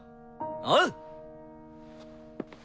おう！